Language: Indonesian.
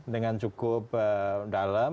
dengan cukup data